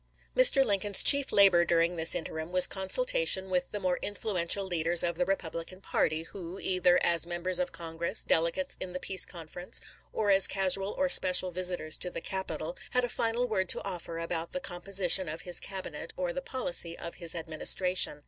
Mr. Lincoln's chief labor during this interim was consultation with the more influential leaders of the Republican party, who, either as members of Congress, delegates in the Peace Conference, or as casual or special visitors to the capital, had a final word to offer about the composition of his Cab inet or the policy of his Administration.